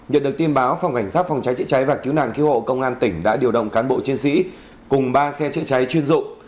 nhận được tin báo phòng cảnh sát phòng cháy chữa cháy và cứu nạn cứu hộ công an tỉnh đã điều động cán bộ chiến sĩ cùng ba xe chữa cháy chuyên dụng